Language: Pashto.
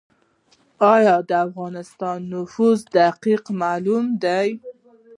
آیا د افغانستان نفوس دقیق معلوم دی؟